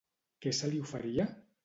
Què se li oferia?